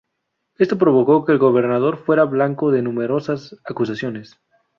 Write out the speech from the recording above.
Esto provocó que el gobernador fuera blanco de numerosas acusaciones.